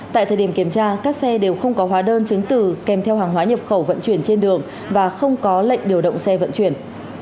tại thời điểm kiểm tra các xe đều không có hóa đơn chứng từ kèm theo hàng hóa nhập khẩu vận chuyển trên đường và không có lệnh điều động xe vận chuyển